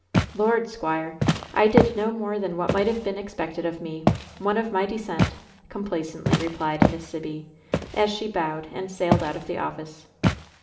"Lord, squire, I did no more than what might have been expected of me one of my descent!" complacently replied Miss Sibby, as she bowed and sailed out of the office.